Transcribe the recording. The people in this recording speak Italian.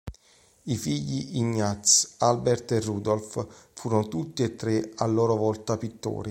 I figli Ignaz, Albert e Rudolf furono tutti e tre a loro volta pittori.